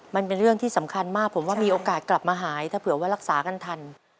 มันเป็นเรื่องที่สำคัญมากผมว่ามีโอกาสกลับมาหายถ้าเผื่อว่ารักษากันทัน